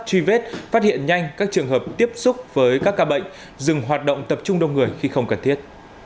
truy vết phát hiện nhanh các trường hợp tiếp xúc với các ca bệnh dừng hoạt động tập trung đông người khi không cần thiết